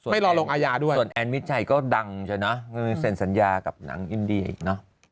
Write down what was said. ไม่รอลงอาญาด้วยส่วนแอนมิดชัยก็ดังใช่ไหมเซ็นสัญญากับหนังอินเดียอีกเนอะ